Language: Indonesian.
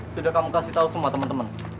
sudah kamu kasih tahu semua teman teman